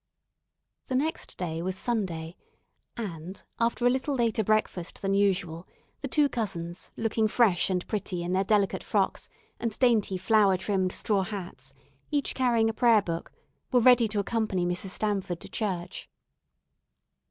The next day was Sunday, and, after a little later breakfast than usual, the two cousins, looking fresh and pretty in their delicate frocks and dainty flower trimmed straw hats, each carrying a prayer book, were ready to accompany Mrs. Stamford to church.